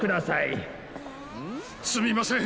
すみません。